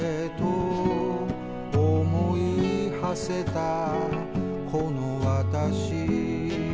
「想い馳せたこの私」